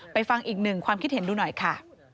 ฟังอีกหนึ่งความคิดเห็นดูหน่อยค่ะ